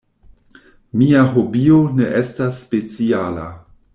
Mia hobio ne estas speciala.